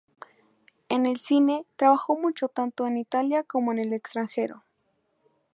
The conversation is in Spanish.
En el cine, trabajó mucho tanto en Italia como en el extranjero.